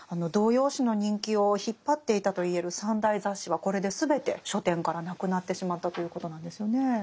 童謡詩の人気を引っ張っていたといえる３大雑誌はこれで全て書店からなくなってしまったということなんですよね。